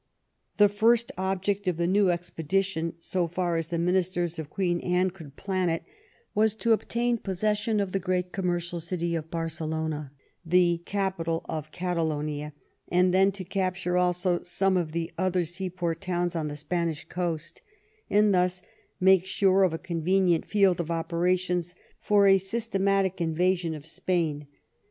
The first object of the new expedition, so far as the ministers of Queen Anne could plan it, was to obtain possession of the great commercial city of Barcelona, the capital of Catalonia, and then to capture also some of the other seaport towns on Ae Spanish coast, and thus make sure of a convenient field of operations for a sys tematic invasion of Spain.